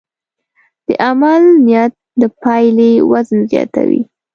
د عمل نیت د پایلې وزن زیاتوي.